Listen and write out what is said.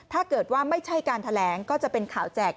ถ้าเกิดว่าไม่ใช่การแถลงก็จะเป็นข่าวแจก